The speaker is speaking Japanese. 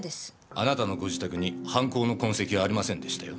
あなたのご自宅に犯行の痕跡はありませんでしたよ。